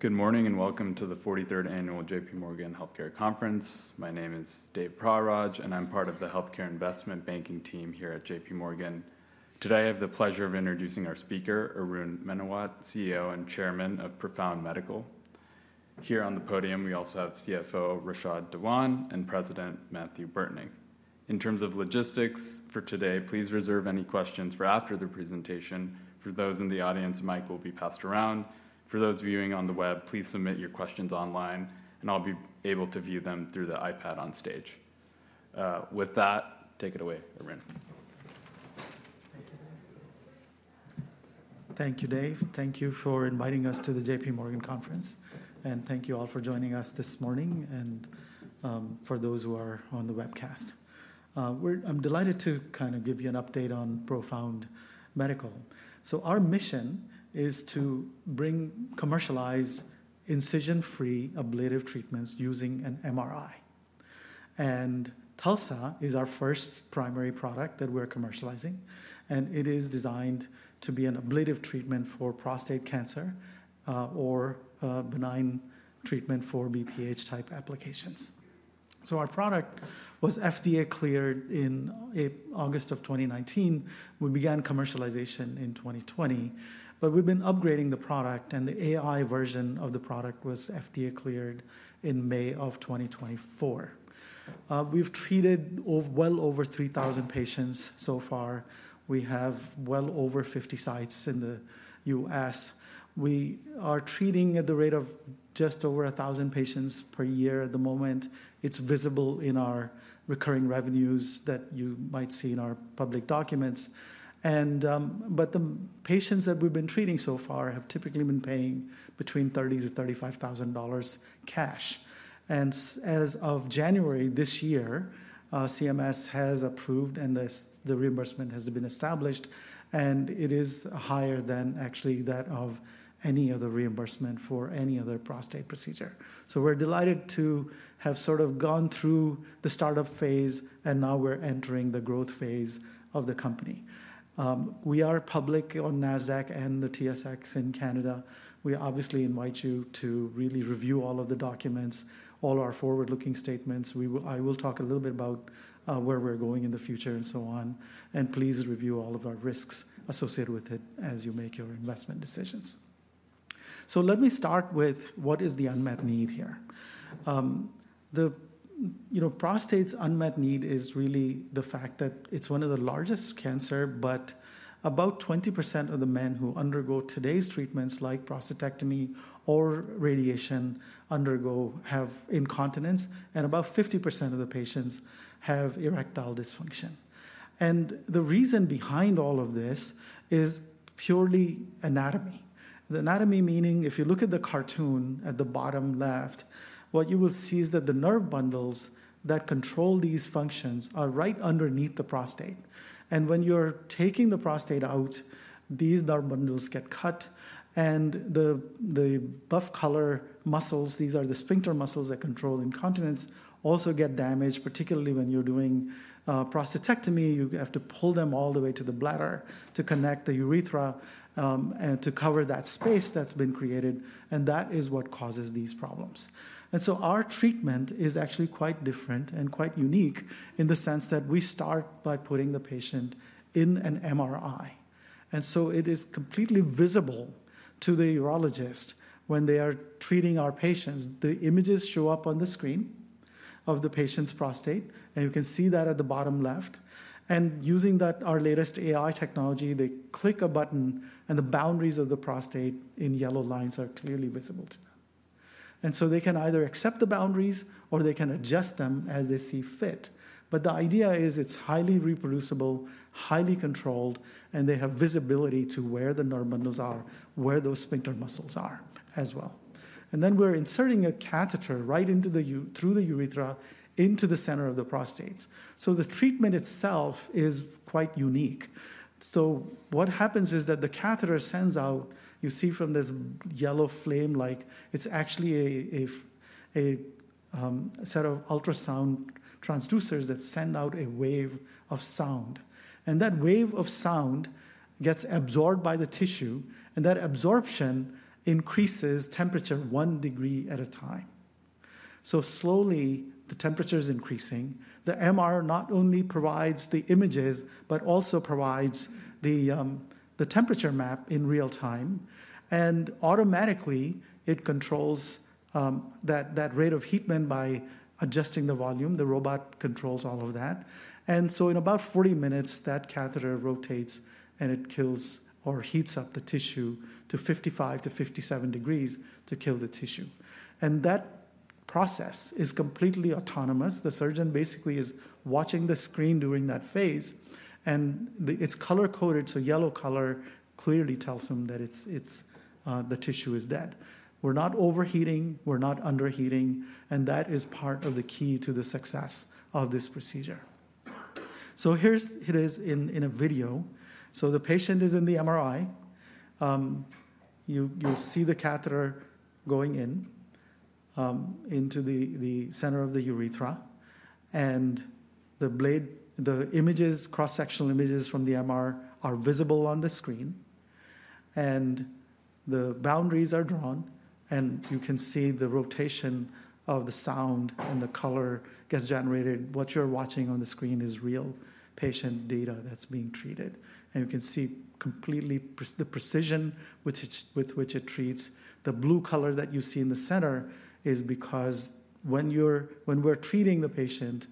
Good morning and welcome to the 43rd Annual JPMorgan Healthcare Conference. My name is Dave [Prosser] and I'm part of the Healthcare Investment Banking team here at JPMorgan. Today, I have the pleasure of introducing our speaker, Arun Menawat, CEO and Chairman of Profound Medical. Here on the podium, we also have CFO Rashed Dewan and President Mathieu Burtnyk. In terms of logistics for today, please reserve any questions for after the presentation. For those in the audience, mic will be passed around. For those viewing on the web, please submit your questions online, and I'll be able to view them through the iPad on stage. With that, take it away, Arun. Thank you, Dave. Thank you for inviting us to the JPMorgan Conference, and thank you all for joining us this morning and for those who are on the webcast. I'm delighted to kind of give you an update on Profound Medical. So our mission is to bring commercialized incision-free ablative treatments using an MRI, and TULSA is our first primary product that we're commercializing, and it is designed to be an ablative treatment for prostate cancer or a benign treatment for BPH-type applications, so our product was FDA cleared in August of 2019. We began commercialization in 2020, but we've been upgrading the product, and the AI version of the product was FDA cleared in May of 2024. We've treated well over 3,000 patients so far. We have well over 50 sites in the U.S. We are treating at the rate of just over 1,000 patients per year at the moment. It's visible in our recurring revenues that you might see in our public documents. But the patients that we've been treating so far have typically been paying between $30,000-$35,000 cash, and as of January this year, CMS has approved, and the reimbursement has been established, and it is higher than actually that of any other reimbursement for any other prostate procedure, so we're delighted to have sort of gone through the startup phase, and now we're entering the growth phase of the company. We are public on Nasdaq and the TSX in Canada. We obviously invite you to really review all of the documents, all our forward-looking statements. I will talk a little bit about where we're going in the future and so on. Please review all of our risks associated with it as you make your investment decisions. Let me start with what is the unmet need here. The prostate's unmet need is really the fact that it's one of the largest cancers, but about 20% of the men who undergo today's treatments, like prostatectomy or radiation, have incontinence, and about 50% of the patients have erectile dysfunction. The reason behind all of this is purely anatomy. The anatomy meaning, if you look at the cartoon at the bottom left, what you will see is that the nerve bundles that control these functions are right underneath the prostate. When you're taking the prostate out, these nerve bundles get cut, and the buff color muscles, these are the sphincter muscles that control incontinence, also get damaged, particularly when you're doing prostatectomy. You have to pull them all the way to the bladder to connect the urethra and to cover that space that's been created, and that is what causes these problems, and so our treatment is actually quite different and quite unique in the sense that we start by putting the patient in an MRI, and so it is completely visible to the urologist when they are treating our patients. The images show up on the screen of the patient's prostate, and you can see that at the bottom left, and using our latest AI technology, they click a button, and the boundaries of the prostate in yellow lines are clearly visible to them, and so they can either accept the boundaries or they can adjust them as they see fit. But the idea is it's highly reproducible, highly controlled, and they have visibility to where the nerve bundles are, where those sphincter muscles are as well. And then we're inserting a catheter right through the urethra into the center of the prostate. So the treatment itself is quite unique. So what happens is that the catheter sends out, you see from this yellow flame-like, it's actually a set of ultrasound transducers that send out a wave of sound. And that wave of sound gets absorbed by the tissue, and that absorption increases temperature one degree at a time. So slowly, the temperature is increasing. The MR not only provides the images, but also provides the temperature map in real time. And automatically, it controls that rate of heat by adjusting the volume. The robot controls all of that. And so in about 40 minutes, that catheter rotates, and it kills or heats up the tissue to 55-57 degrees to kill the tissue. And that process is completely autonomous. The surgeon basically is watching the screen during that phase, and it's color-coded. So yellow color clearly tells them that the tissue is dead. We're not overheating. We're not underheating. And that is part of the key to the success of this procedure. So here it is in a video. So the patient is in the MRI. You see the catheter going into the center of the urethra, and the images, cross-sectional images from the MR, are visible on the screen. And the boundaries are drawn, and you can see the rotation of the sound and the color gets generated. What you're watching on the screen is real patient data that's being treated. You can see completely the precision with which it treats. The blue color that you see in the center is because when we're treating the patient,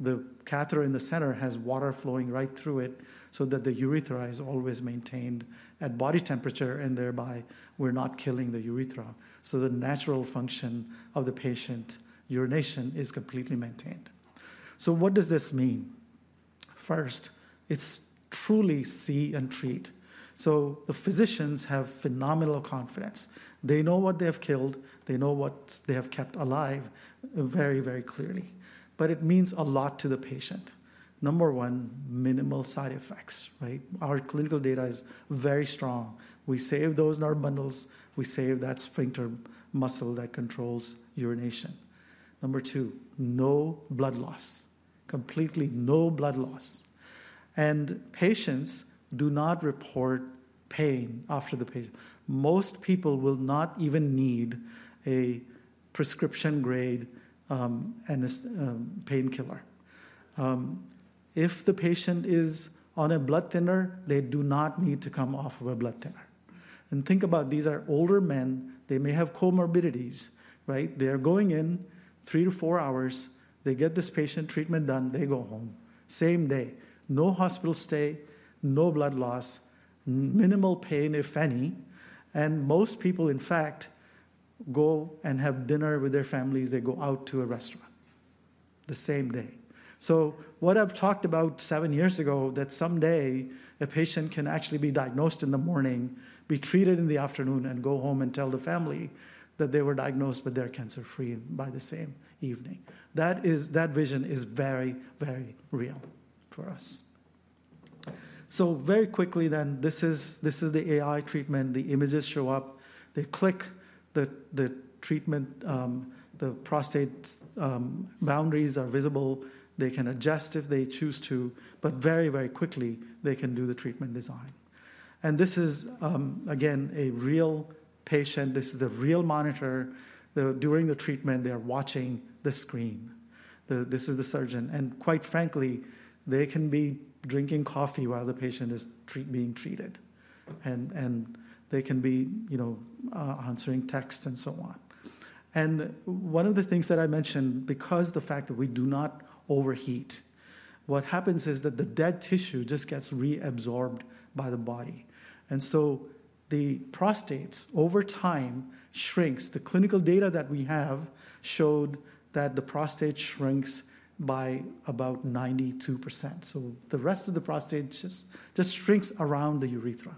the catheter in the center has water flowing right through it so that the urethra is always maintained at body temperature, and thereby, we're not killing the urethra. So the natural function of the patient's urination is completely maintained. So what does this mean? First, it's truly see and treat. So the physicians have phenomenal confidence. They know what they have killed. They know what they have kept alive very, very clearly. But it means a lot to the patient. Number one, minimal side effects. Our clinical data is very strong. We save those nerve bundles. We save that sphincter muscle that controls urination. Number two, no blood loss. Completely no blood loss. And patients do not report pain after the patient. Most people will not even need a prescription-grade painkiller. If the patient is on a blood thinner, they do not need to come off of a blood thinner. And think about, these are older men. They may have comorbidities. They're going in three to four hours. They get this patient treatment done. They go home. Same day. No hospital stay. No blood loss. Minimal pain, if any. And most people, in fact, go and have dinner with their families. They go out to a restaurant the same day. So what I've talked about seven years ago, that someday a patient can actually be diagnosed in the morning, be treated in the afternoon, and go home and tell the family that they were diagnosed, but they're cancer-free by the same evening. That vision is very, very real for us. So very quickly then, this is the AI treatment. The images show up. They click the treatment. The prostate boundaries are visible. They can adjust if they choose to, but very, very quickly, they can do the treatment design, and this is, again, a real patient. This is the real monitor. During the treatment, they are watching the screen. This is the surgeon, and quite frankly, they can be drinking coffee while the patient is being treated, and they can be answering texts and so on, and one of the things that I mentioned, because of the fact that we do not overheat, what happens is that the dead tissue just gets reabsorbed by the body, and so the prostate, over time, shrinks. The clinical data that we have showed that the prostate shrinks by about 92%. The rest of the prostate just shrinks around the urethra,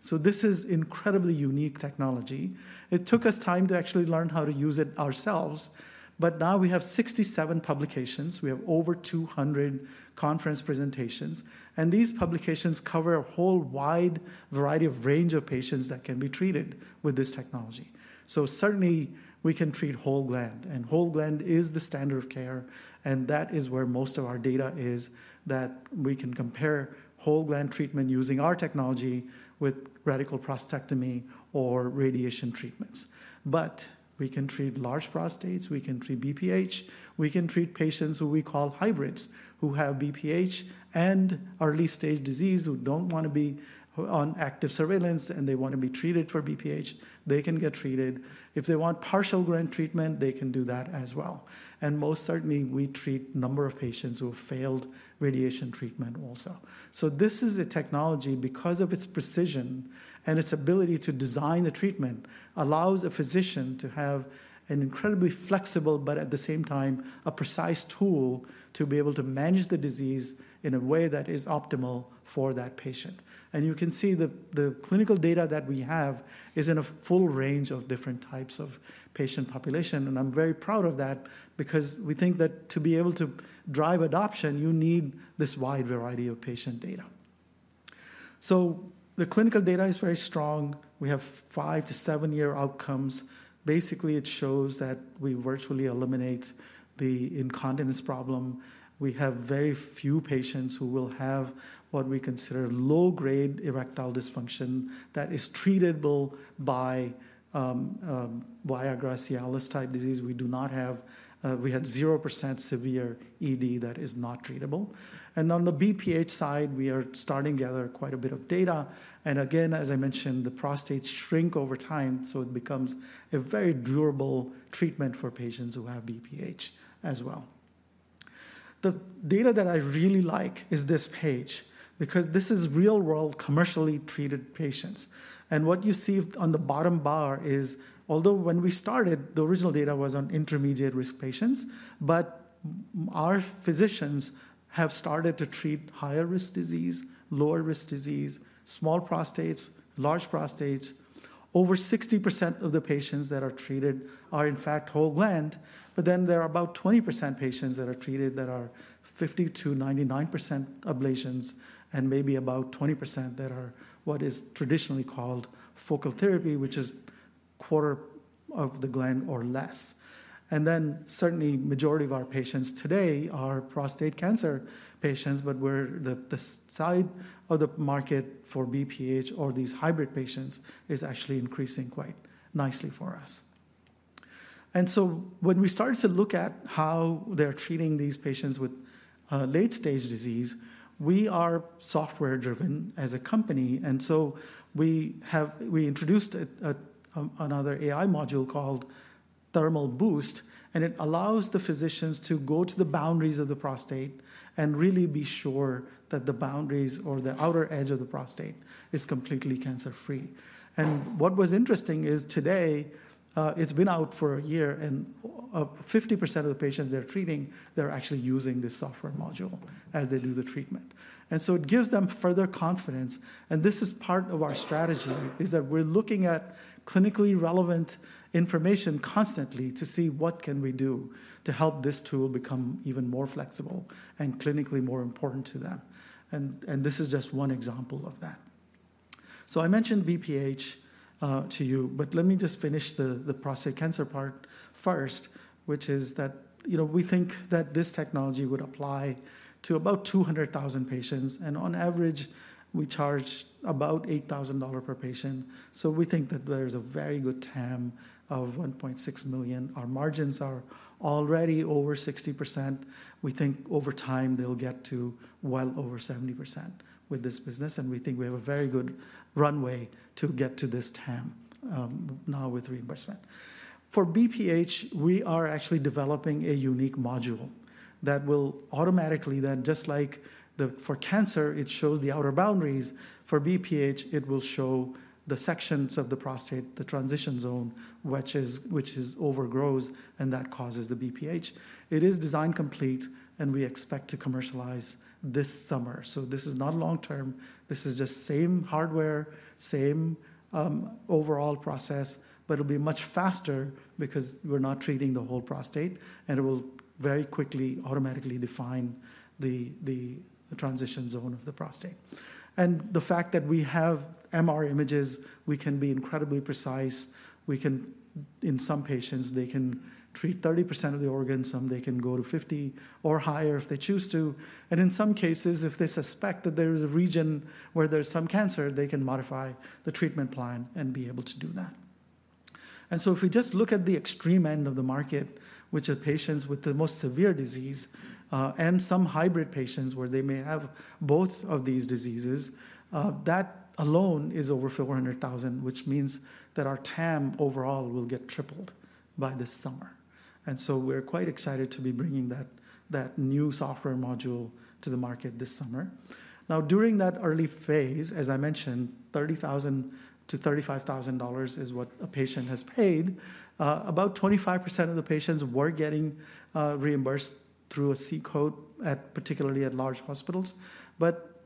so this is incredibly unique technology. It took us time to actually learn how to use it ourselves, but now we have 67 publications. We have over 200 conference presentations, and these publications cover a whole wide variety of range of patients that can be treated with this technology, so certainly, we can treat whole gland. And whole gland is the standard of care, and that is where most of our data is, that we can compare whole gland treatment using our technology with radical prostatectomy or radiation treatments, but we can treat large prostates. We can treat BPH. We can treat patients who we call hybrids, who have BPH and early-stage disease, who don't want to be on active surveillance, and they want to be treated for BPH. They can get treated. If they want partial gland treatment, they can do that as well. Most certainly, we treat a number of patients who have failed radiation treatment also. This is a technology, because of its precision and its ability to design the treatment, allows a physician to have an incredibly flexible, but at the same time, a precise tool to be able to manage the disease in a way that is optimal for that patient. You can see the clinical data that we have is in a full range of different types of patient population. I'm very proud of that because we think that to be able to drive adoption, you need this wide variety of patient data. The clinical data is very strong. We have five-to-seven-year outcomes. Basically, it shows that we virtually eliminate the incontinence problem. We have very few patients who will have what we consider low-grade erectile dysfunction that is treatable by Viagra, Cialis type disease. We had 0% severe ED that is not treatable. And on the BPH side, we are starting to gather quite a bit of data. And again, as I mentioned, the prostate shrinks over time, so it becomes a very durable treatment for patients who have BPH as well. The data that I really like is this page because this is real-world commercially treated patients. And what you see on the bottom bar is, although when we started, the original data was on intermediate-risk patients, but our physicians have started to treat higher-risk disease, lower-risk disease, small prostates, large prostates. Over 60% of the patients that are treated are, in fact, whole gland, but then there are about 20% patients that are treated that are 50%-99% ablations and maybe about 20% that are what is traditionally called focal therapy, which is a quarter of the gland or less. Then certainly, the majority of our patients today are prostate cancer patients, but the side of the market for BPH or these hybrid patients is actually increasing quite nicely for us. So when we started to look at how they're treating these patients with late-stage disease, we are software-driven as a company. We introduced another AI module called Thermal Boost, and it allows the physicians to go to the boundaries of the prostate and really be sure that the boundaries or the outer edge of the prostate is completely cancer-free. What was interesting is today, it's been out for a year, and 50% of the patients they're treating, they're actually using this software module as they do the treatment. And so it gives them further confidence. And this is part of our strategy, is that we're looking at clinically relevant information constantly to see what can we do to help this tool become even more flexible and clinically more important to them. And this is just one example of that. So I mentioned BPH to you, but let me just finish the prostate cancer part first, which is that we think that this technology would apply to about 200,000 patients. And on average, we charge about $8,000 per patient. So we think that there's a very good TAM of 1.6 million. Our margins are already over 60%. We think over time, they'll get to well over 70% with this business. And we think we have a very good runway to get to this TAM now with reimbursement. For BPH, we are actually developing a unique module that will automatically, just like for cancer, it shows the outer boundaries. For BPH, it will show the sections of the prostate, the transition zone, which overgrows, and that causes the BPH. It is design complete, and we expect to commercialize this summer. So this is not long-term. This is just same hardware, same overall process, but it'll be much faster because we're not treating the whole prostate, and it will very quickly automatically define the transition zone of the prostate. And the fact that we have MR images, we can be incredibly precise. In some patients, they can treat 30% of the organ. Some, they can go to 50 or higher if they choose to, and in some cases, if they suspect that there is a region where there's some cancer, they can modify the treatment plan and be able to do that, and so if we just look at the extreme end of the market, which are patients with the most severe disease and some hybrid patients where they may have both of these diseases, that alone is over 400,000, which means that our TAM overall will get tripled by this summer, and so we're quite excited to be bringing that new software module to the market this summer. Now, during that early phase, as I mentioned, $30,000-$35,000 is what a patient has paid. About 25% of the patients were getting reimbursed through a C code, particularly at large hospitals.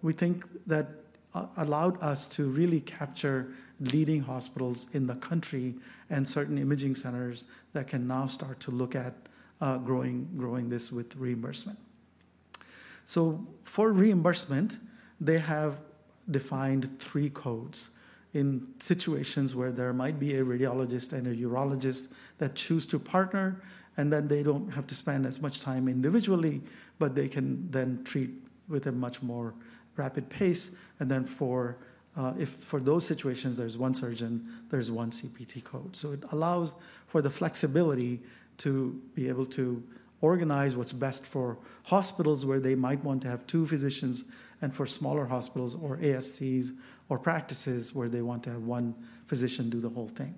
We think that allowed us to really capture leading hospitals in the country and certain imaging centers that can now start to look at growing this with reimbursement. For reimbursement, they have defined three codes in situations where there might be a radiologist and a urologist that choose to partner, and then they don't have to spend as much time individually, but they can then treat with a much more rapid pace. For those situations, there's one surgeon, there's one CPT code. It allows for the flexibility to be able to organize what's best for hospitals where they might want to have two physicians and for smaller hospitals or ASCs or practices where they want to have one physician do the whole thing.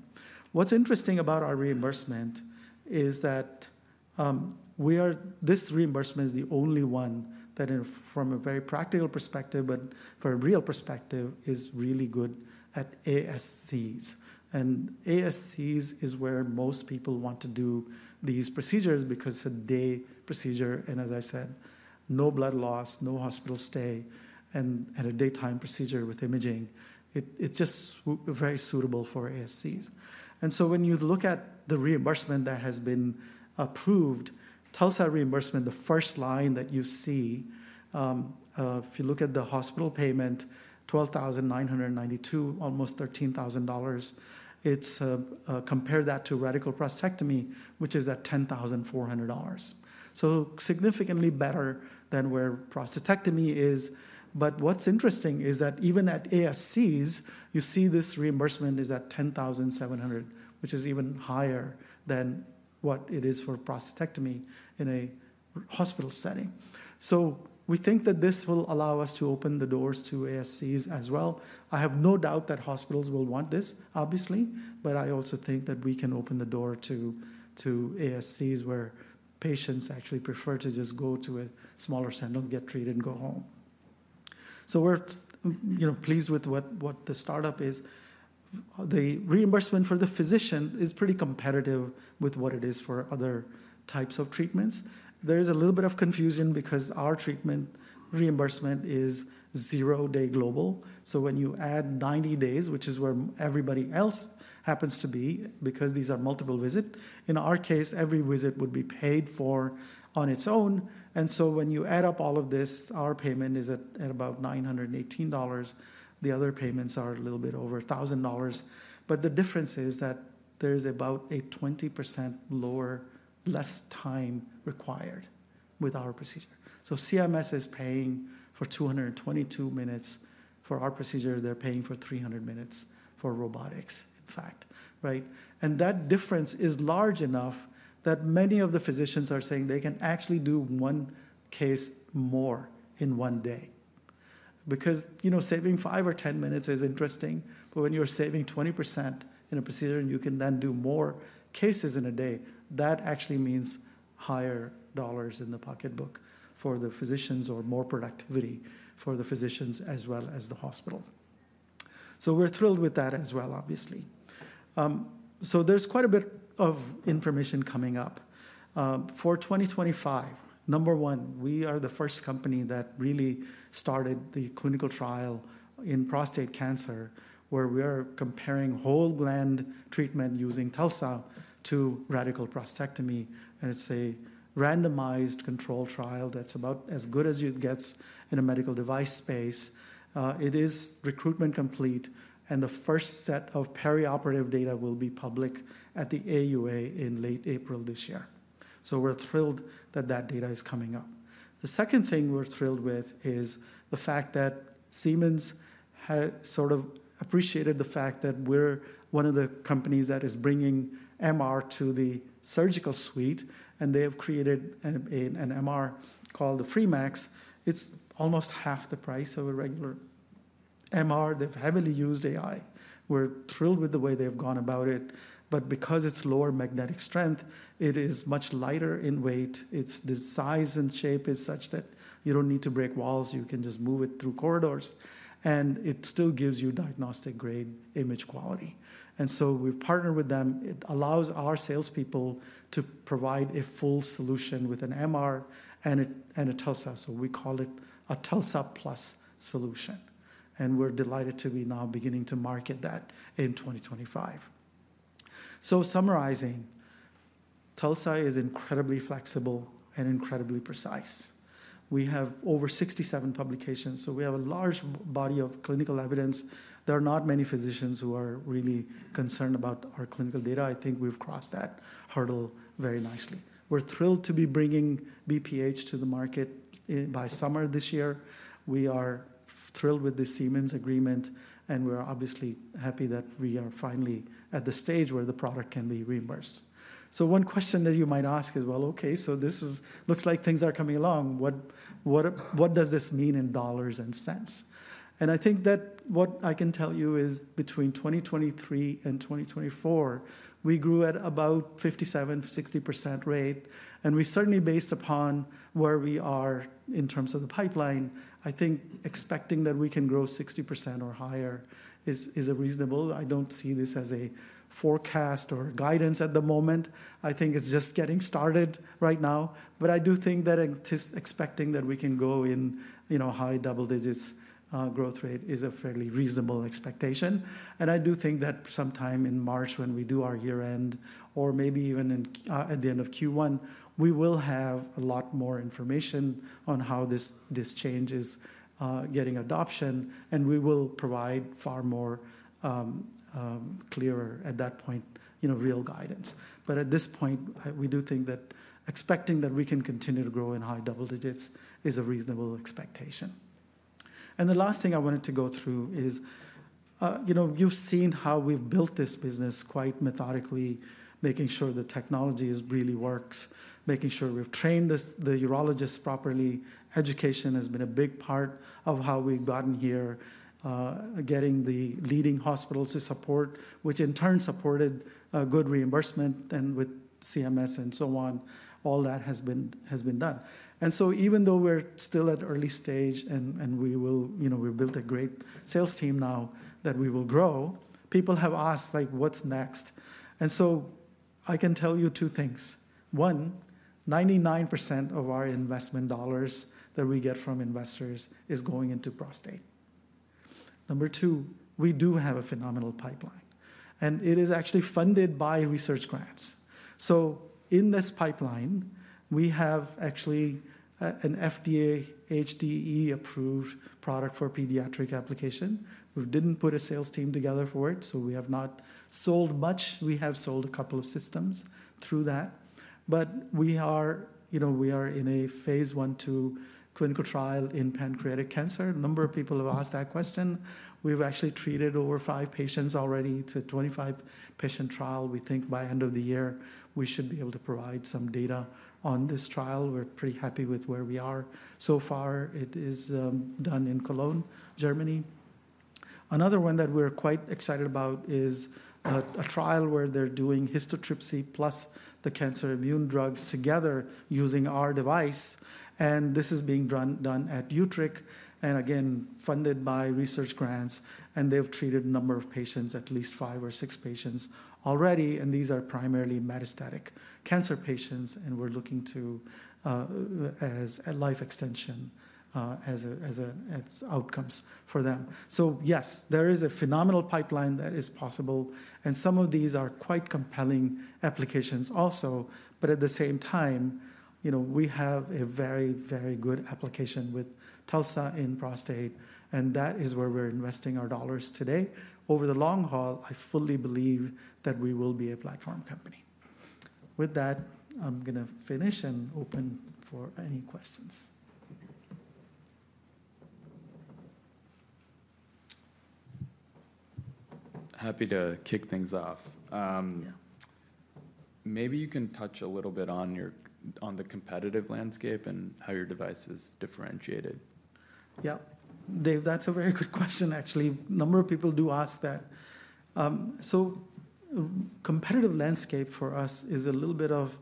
What's interesting about our reimbursement is that this reimbursement is the only one that, from a very practical perspective, but for a real perspective, is really good at ASCs. ASCs is where most people want to do these procedures because it's a day procedure. And as I said, no blood loss, no hospital stay, and a daytime procedure with imaging. It's just very suitable for ASCs. And so when you look at the reimbursement that has been approved, TULSA reimbursement, the first line that you see, if you look at the hospital payment, $12,992, almost $13,000, compare that to radical prostatectomy, which is at $10,400. So significantly better than where prostatectomy is. But what's interesting is that even at ASCs, you see this reimbursement is at $10,700, which is even higher than what it is for prostatectomy in a hospital setting. So we think that this will allow us to open the doors to ASCs as well. I have no doubt that hospitals will want this, obviously, but I also think that we can open the door to ASCs where patients actually prefer to just go to a smaller center, get treated, and go home. So we're pleased with what the startup is. The reimbursement for the physician is pretty competitive with what it is for other types of treatments. There is a little bit of confusion because our treatment reimbursement is zero-day global. So when you add 90 days, which is where everybody else happens to be because these are multiple visits, in our case, every visit would be paid for on its own. And so when you add up all of this, our payment is at about $918. The other payments are a little bit over $1,000. But the difference is that there is about a 20% less time required with our procedure. So CMS is paying for 222 minutes for our procedure. They're paying for 300 minutes for robotics, in fact. And that difference is large enough that many of the physicians are saying they can actually do one case more in one day. Because saving 5 or 10 minutes is interesting, but when you're saving 20% in a procedure and you can then do more cases in a day, that actually means higher dollars in the pocketbook for the physicians or more productivity for the physicians as well as the hospital. So we're thrilled with that as well, obviously. So there's quite a bit of information coming up. For 2025, number one, we are the first company that really started the clinical trial in prostate cancer where we are comparing whole gland treatment using TULSA to radical prostatectomy, and it's a randomized control trial that's about as good as it gets in a medical device space. It is recruitment complete, and the first set of perioperative data will be public at the AUA in late April this year, so we're thrilled that that data is coming up. The second thing we're thrilled with is the fact that Siemens has sort of appreciated the fact that we're one of the companies that is bringing MR to the surgical suite, and they have created an MR called the Free.Max. It's almost half the price of a regular MR. They've heavily used AI. We're thrilled with the way they've gone about it. But because it's lower magnetic strength, it is much lighter in weight. The size and shape is such that you don't need to break walls. You can just move it through corridors. And it still gives you diagnostic-grade image quality. And so we've partnered with them. It allows our salespeople to provide a full solution with an MR and a TULSA. So we call it a TULSA Plus solution. And we're delighted to be now beginning to market that in 2025. So summarizing, TULSA is incredibly flexible and incredibly precise. We have over 67 publications, so we have a large body of clinical evidence. There are not many physicians who are really concerned about our clinical data. I think we've crossed that hurdle very nicely. We're thrilled to be bringing BPH to the market by summer this year. We are thrilled with the Siemens agreement, and we are obviously happy that we are finally at the stage where the product can be reimbursed. One question that you might ask is, well, okay, so this looks like things are coming along. What does this mean in dollars and cents? I think that what I can tell you is between 2023 and 2024, we grew at about 57%-60% rate. We certainly, based upon where we are in terms of the pipeline, think expecting that we can grow 60% or higher is reasonable. I don't see this as a forecast or guidance at the moment. I think it's just getting started right now. I do think that expecting that we can go in high double digits growth rate is a fairly reasonable expectation. I do think that sometime in March, when we do our year-end or maybe even at the end of Q1, we will have a lot more information on how this change is getting adoption, and we will provide far more clearer at that point real guidance. At this point, we do think that expecting that we can continue to grow in high double digits is a reasonable expectation. The last thing I wanted to go through is you've seen how we've built this business quite methodically, making sure the technology really works, making sure we've trained the urologists properly. Education has been a big part of how we've gotten here, getting the leading hospitals to support, which in turn supported good reimbursement. With CMS and so on, all that has been done. Even though we're still at early stage and we've built a great sales team now that we will grow, people have asked, what's next? I can tell you two things. One, 99% of our investment dollars that we get from investors is going into prostate. Number two, we do have a phenomenal pipeline, and it is actually funded by research grants. So in this pipeline, we have actually an FDA HDE-approved product for pediatric application. We didn't put a sales team together for it, so we have not sold much. We have sold a couple of systems through that. But we are in a phase one clinical trial in pancreatic cancer. A number of people have asked that question. We've actually treated over five patients already. It's a 25-patient trial. We think by end of the year, we should be able to provide some data on this trial. We're pretty happy with where we are so far. It is done in Cologne, Germany. Another one that we're quite excited about is a trial where they're doing histotripsy plus the cancer immune drugs together using our device, and this is being done at Utrecht and again, funded by research grants, and they've treated a number of patients, at least five or six patients already, and these are primarily metastatic cancer patients, and we're looking at life extension as outcomes for them, so yes, there is a phenomenal pipeline that is possible, and some of these are quite compelling applications also, but at the same time, we have a very, very good application with TULSA in prostate, and that is where we're investing our dollars today. Over the long haul, I fully believe that we will be a platform company. With that, I'm going to finish and open for any questions. Happy to kick things off. Maybe you can touch a little bit on the competitive landscape and how your device is differentiated. Yeah. Dave, that's a very good question, actually. A number of people do ask that. So competitive landscape for us is a little bit of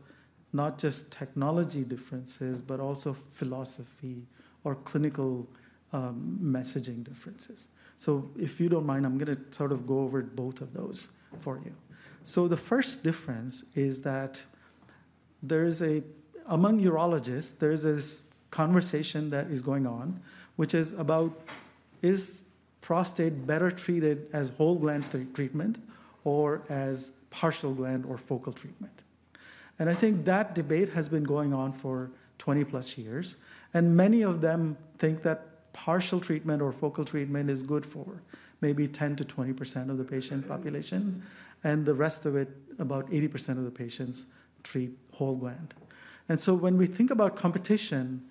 not just technology differences, but also philosophy or clinical messaging differences. So if you don't mind, I'm going to sort of go over both of those for you. So the first difference is that among urologists, there is this conversation that is going on, which is about, is prostate better treated as whole gland treatment or as partial gland or focal treatment? And I think that debate has been going on for 20-plus years. And many of them think that partial treatment or focal treatment is good for maybe 10%-20% of the patient population. And the rest of it, about 80% of the patients treat whole gland. And so when we think about competition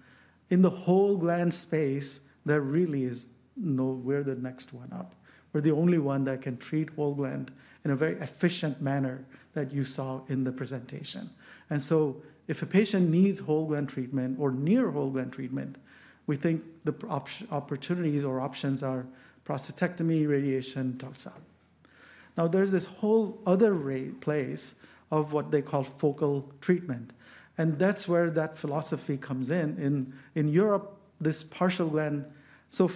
in the whole gland space, there really is nowhere the next one up. We're the only one that can treat whole gland in a very efficient manner that you saw in the presentation. And so if a patient needs whole gland treatment or near whole gland treatment, we think the opportunities or options are prostatectomy, radiation, TULSA. Now, there's this whole other place of what they call focal treatment. And that's where that philosophy comes in. In Europe, this partial gland, so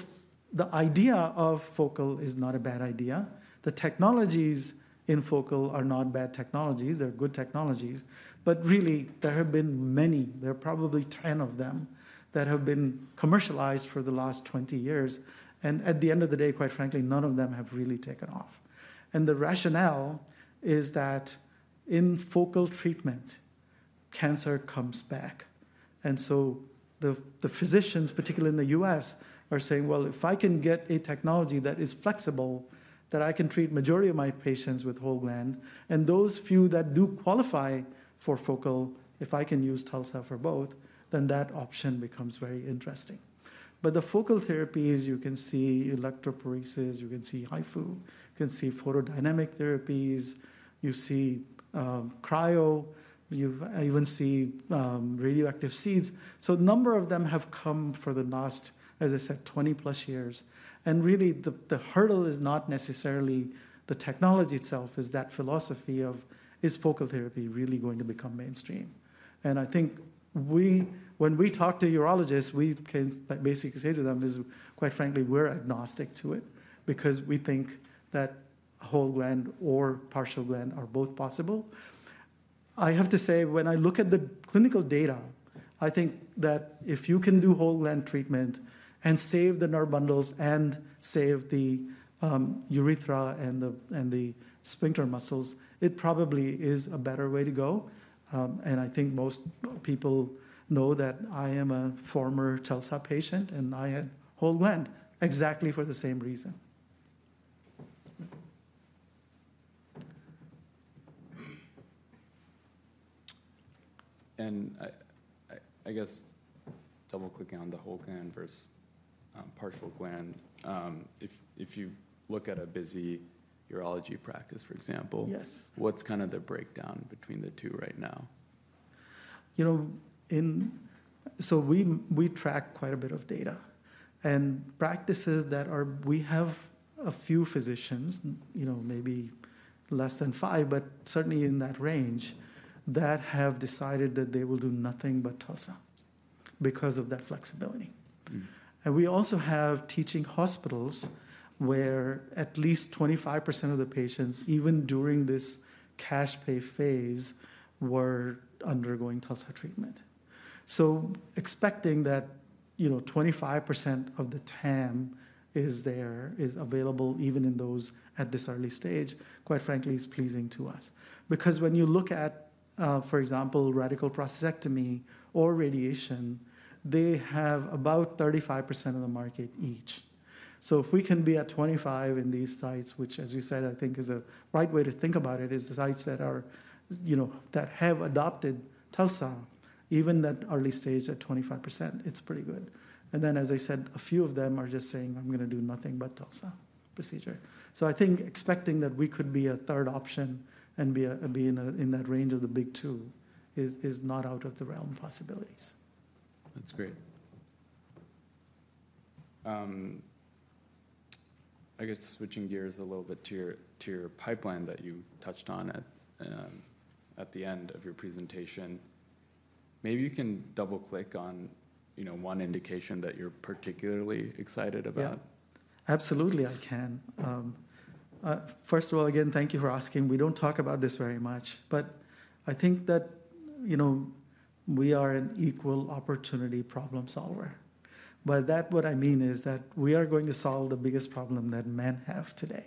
the idea of focal is not a bad idea. The technologies in focal are not bad technologies. They're good technologies. But really, there have been many. There are probably 10 of them that have been commercialized for the last 20 years. And at the end of the day, quite frankly, none of them have really taken off. The rationale is that in focal treatment, cancer comes back, and so the physicians, particularly in the U.S., are saying, well, if I can get a technology that is flexible, that I can treat the majority of my patients with whole gland, and those few that do qualify for focal, if I can use TULSA for both, then that option becomes very interesting, but the focal therapies, you can see electroporation, you can see HIFU, you can see photodynamic therapies, you see cryo, you even see radioactive seeds. So a number of them have come for the last, as I said, 20-plus years, and really, the hurdle is not necessarily the technology itself, is that philosophy of, is focal therapy really going to become mainstream? And I think when we talk to urologists, we can basically say to them, quite frankly, we're agnostic to it because we think that whole gland or partial gland are both possible. I have to say, when I look at the clinical data, I think that if you can do whole gland treatment and save the nerve bundles and save the urethra and the sphincter muscles, it probably is a better way to go. And I think most people know that I am a former TULSA patient, and I had whole gland exactly for the same reason. I guess double-clicking on the whole gland versus partial gland, if you look at a busy urology practice, for example, what's kind of the breakdown between the two right now? So we track quite a bit of data, and practices that we have a few physicians, maybe less than five, but certainly in that range, that have decided that they will do nothing but TULSA because of that flexibility, and we also have teaching hospitals where at least 25% of the patients, even during this cash pay phase, were undergoing TULSA treatment. So expecting that 25% of the TAM is there, is available even in those at this early stage, quite frankly, is pleasing to us, because when you look at, for example, radical prostatectomy or radiation, they have about 35% of the market each, so if we can be at 25% in these sites, which, as you said, I think is a right way to think about it, is the sites that have adopted TULSA, even that early stage at 25%, it's pretty good. And then, as I said, a few of them are just saying, I'm going to do nothing but TULSA procedure. So I think expecting that we could be a third option and be in that range of the big two is not out of the realm of possibilities. That's great. I guess switching gears a little bit to your pipeline that you touched on at the end of your presentation, maybe you can double-click on one indication that you're particularly excited about. Absolutely, I can. First of all, again, thank you for asking. We don't talk about this very much, but I think that we are an equal opportunity problem solver. What I mean is that we are going to solve the biggest problem that men have today.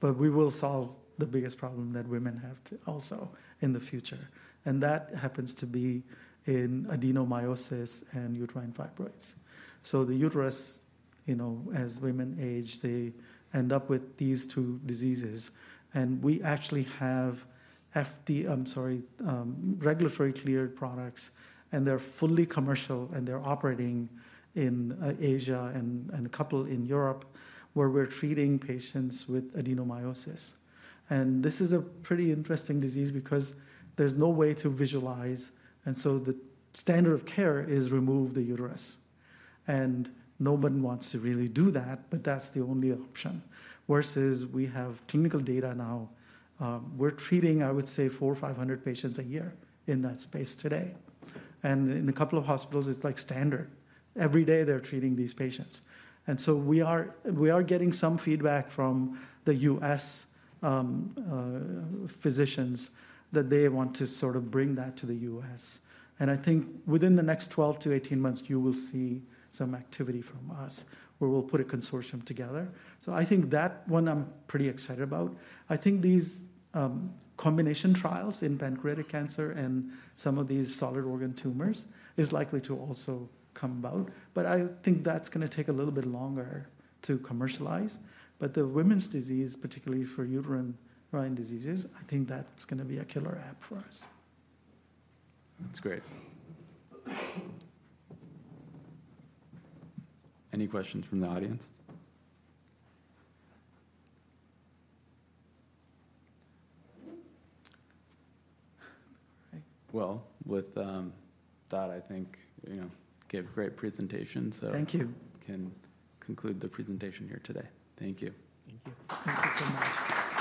We will solve the biggest problem that women have also in the future, and that happens to be in adenomyosis and uterine fibroids. The uterus, as women age, they end up with these two diseases. We actually have regulatory cleared products, and they're fully commercial, and they're operating in Asia and a couple in Europe where we're treating patients with adenomyosis. This is a pretty interesting disease because there's no way to visualize, and so the standard of care is remove the uterus. Nobody wants to really do that, but that's the only option. Versus we have clinical data now. We're treating, I would say, 400, 500 patients a year in that space today, and in a couple of hospitals, it's like standard. Every day, they're treating these patients, and so we are getting some feedback from the U.S. physicians that they want to sort of bring that to the U.S., and I think within the next 12-18 months, you will see some activity from us where we'll put a consortium together, so I think that one I'm pretty excited about. I think these combination trials in pancreatic cancer and some of these solid organ tumors is likely to also come about, but I think that's going to take a little bit longer to commercialize, but the women's disease, particularly for uterine gland diseases, I think that's going to be a killer app for us. That's great. Any questions from the audience? Well, with that, I think you gave a great presentation. Thank you. So we can conclude the presentation here today. Thank you. Thank you. Thank you so much.